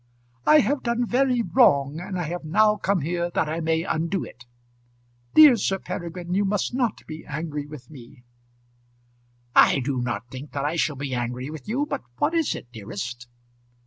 "I have done very wrong, and I have now come here that I may undo it. Dear Sir Peregrine, you must not be angry with me." "I do not think that I shall be angry with you; but what is it, dearest?"